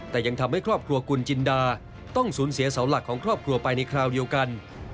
แต่ยังทำให้ครอบครัวคุณจินดาต้องสูญเสียเสาหลักของครอบครัวไปในคราวเดียวกัน